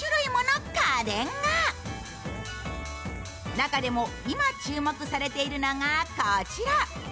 中でも今注目されているのがこちら。